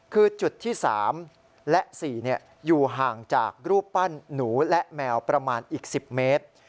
คือจุดที่๓และ๔อยู่ห่างจากรูปปั้นหนูและแมวประมาณอีก๑๐เมตร